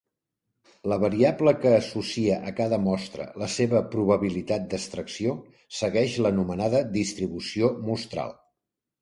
La variable que associa a cada mostra la seva probabilitat d'extracció, segueix l'anomenada distribució mostral.